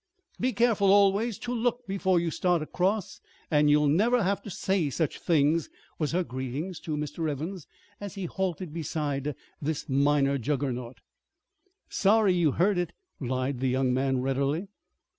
"Be careful always to look before you start across and you'll never have to say such things," was her greeting to Mr. Evans, as he halted beside this minor juggernaut. "Sorry you heard it," lied the young man readily.